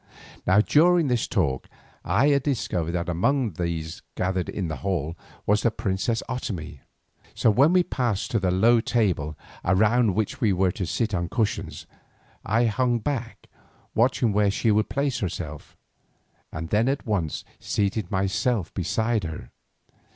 Now during this talk I had discovered that among those gathered in the hall was the princess Otomie. So when we passed to the low table around which we were to sit on cushions, I hung back watching where she would place herself, and then at once seated myself beside her.